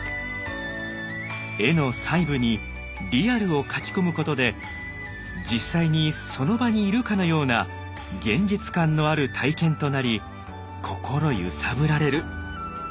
絵の細部にリアルを描き込むことで実際にその場にいるかのような現実感のある体験となり心揺さぶられる。